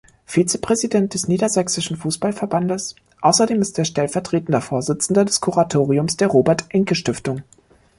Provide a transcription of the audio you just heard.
Vizepräsident des Niedersächsischen Fußballverbandes, außerdem ist er stellvertretender Vorsitzender des Kuratoriums der Robert-Enke-Stiftung.